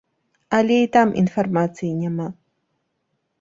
Але і там інфармацыі няма!